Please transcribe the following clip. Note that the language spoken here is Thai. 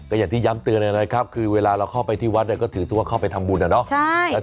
อย่างที่ย้ำเตือนนะครับคือเวลาเราเข้าไปที่วัดก็ถือว่าเข้าไปทำบุญอะเนาะ